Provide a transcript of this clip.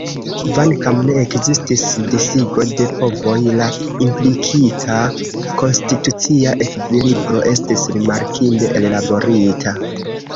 Kvankam ne ekzistis disigo de povoj, la implikita konstitucia ekvilibro estis rimarkinde ellaborita.